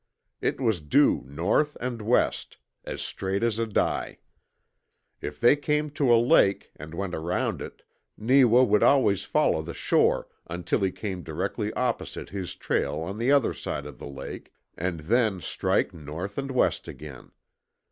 It was due north and west as straight as a die. If they came to a lake, and went around it, Neewa would always follow the shore until he came directly opposite his trail on the other side of the lake and then strike north and west again.